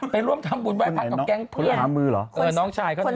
ไปร่วมทำบุญไหว้พระกับแก๊งเพื่อนหามือเหรอเออน้องชายเขานะ